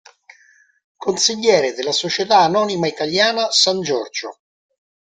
Consigliere della Società Anonima Italiana San Giorgio.